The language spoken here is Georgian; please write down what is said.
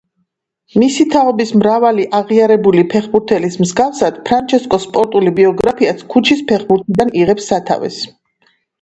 მისი თაობის მრავალი აღიარებული ფეხბურთელის მსგავსად, ფრანჩესკოს სპორტული ბიოგრაფიაც ქუჩის ფეხბურთიდან იღებს სათავეს.